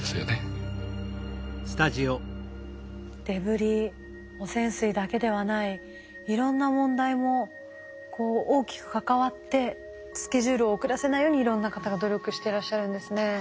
デブリ汚染水だけではないいろんな問題もこう大きく関わってスケジュールを遅らせないようにいろんな方が努力してらっしゃるんですね。